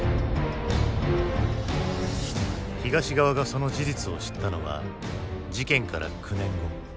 東側がその事実を知ったのは事件から９年後。